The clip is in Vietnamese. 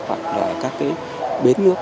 hoặc là các bến nước